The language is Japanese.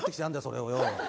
それをよ